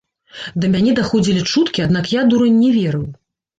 Да мяне даходзілі чуткі, аднак я, дурань, не верыў.